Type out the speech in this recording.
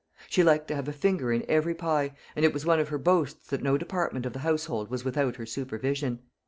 She liked to have a finger in every pie, and it was one of her boasts that no department of the household was without her supervision.